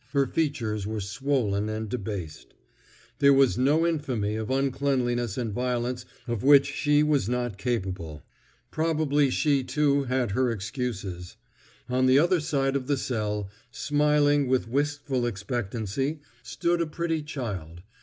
Her features were swollen and debased. There was no infamy of uncleanness and violence of which she was not capable. Probably she, too, had her excuses. On the other side of the cell, smiling with wistful expectancy, stood a pretty child.